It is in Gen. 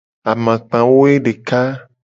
Amakpa woedeka.